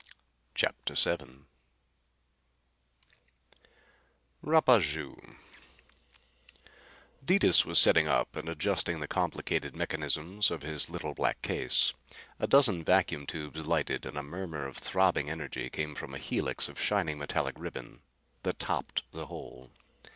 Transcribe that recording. CHAPTER VII Rapaju Detis was setting up and adjusting the complicated mechanisms of his little black case. A dozen vacuum tubes lighted, and a murmur of throbbing energy came from a helix of shining metallic ribbon that topped the whole.